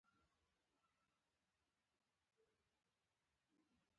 متل دی: په پردي دسترخوان سل مېلمانه هېڅ دي.